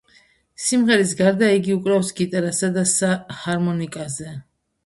სიმღერის გარდა იგი უკრავს გიტარასა და ჰარმონიკაზე.